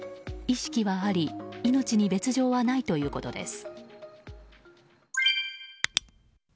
意識はあり命に別条はないということです。